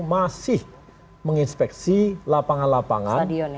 masih menginspeksi lapangan lapangan